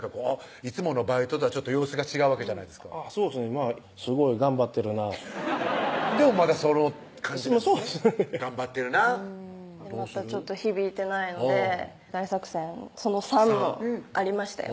いつものバイトとは様子が違うわけじゃないですかそうですねすごい頑張ってるなぁでもまだその感じですね頑張ってるなまたちょっと響いてないので大作戦その３もありまして